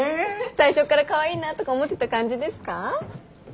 最初からかわいいなとか思ってた感じですか？